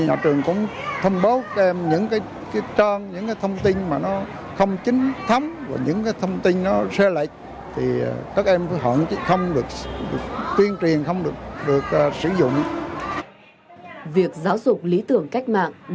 nếu tụi em không khơi thoát đúng cách thì nó sẽ ảnh hưởng đến tâm lý hữu ích